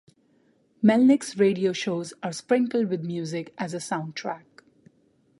Melnick's radio shows are sprinkled with music as a soundtrack.